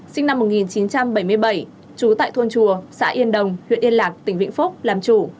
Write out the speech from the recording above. sinh năm một nghìn chín trăm bảy mươi bảy trú tại thôn chùa xã yên đồng huyện yên lạc tỉnh vĩnh phúc làm chủ